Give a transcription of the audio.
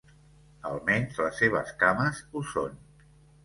Al menys, les seves cames ho són.